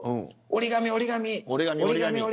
折り紙折り紙。